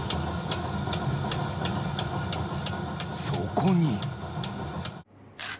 そこに。